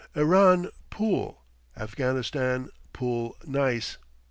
Iran, pool; Afghanistan, pool neis."